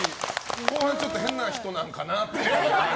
後半、ちょっと変な人なのかなと。